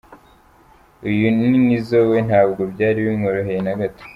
Uyu ni Nizzo we ntabwo byari bimworoheye nagato!.